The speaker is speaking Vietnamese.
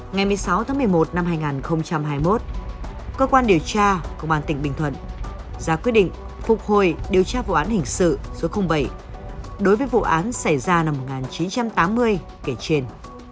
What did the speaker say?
ngày một mươi sáu tháng một mươi một năm hai nghìn hai mươi một cơ quan điều tra công an tỉnh bình thuận ra quyết định phục hồi điều tra vụ án hình sự số bảy đối với vụ án xảy ra năm một nghìn chín trăm tám mươi kể trên